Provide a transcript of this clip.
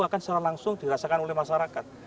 akan secara langsung dirasakan oleh masyarakat